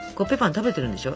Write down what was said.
食べてるでしょ。